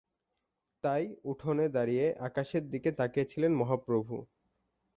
তাই উঠোনে দাঁড়িয়ে আকাশের দিকে তাকিয়ে ছিলেন মহাপ্রভু।